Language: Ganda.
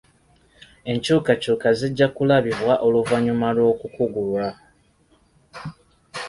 Enkyukakyuka zijja kulabibwa oluvannyuma lw'okukugulwa.